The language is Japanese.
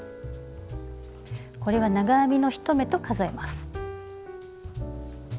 これは長編みの１目と数えます。